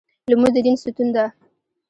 لمونځ د دین ستن ده.